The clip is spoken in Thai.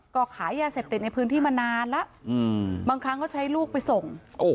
ก็ขายยาเสพติดในพื้นที่มานานแล้วบางครั้งก็ใช้ลูกไปส่ง